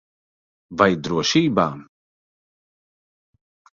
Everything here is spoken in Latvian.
Vai drošībā?